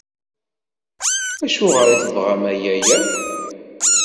Acuɣer i tebɣam aya akk?